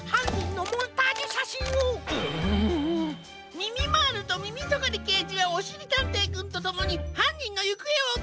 みみまーるとみみとがりけいじはおしりたんていくんとともにはんにんのゆくえをおってくれ！